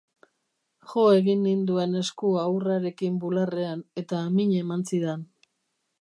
Jo egin ninduen esku ahurrarekin bularrean, eta min eman zidan.